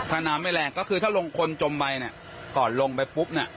ถ้าน้ำไม่แรงก็คือถ้าลงคนจมไปเนี่ยก่อนลงไปปุ๊บเนี่ย